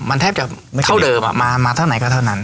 มันแทบจะไม่เท่าเดิมมาเท่าไหนก็เท่านั้น